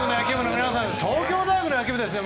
東京大学の野球部ですよ